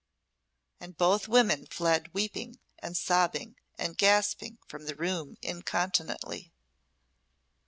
And both women fled weeping, and sobbing, and gasping from the room incontinently.